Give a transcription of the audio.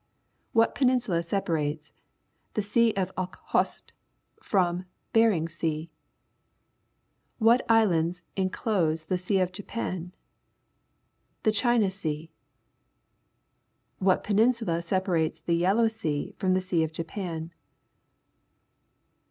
What peninsula separates the Sea of Okhotsk from Bering SeaP What islands almost inclose the Sen of Japan? Ihe China Sea? What peninsula sejiar ates the Yellow Sea from the Sea of Japan